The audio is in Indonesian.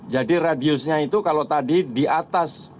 jadi radiusnya itu kalau tadi di atas